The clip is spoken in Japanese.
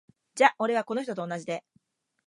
じゃ俺は、この人と同じで。